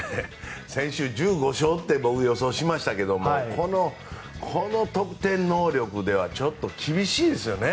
先週１５勝って僕予想しましたけどこの得点能力ではちょっと厳しいですよね。